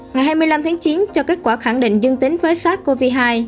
ngày hai mươi năm tháng chín cho kết quả khẳng định dương tính với sars cov hai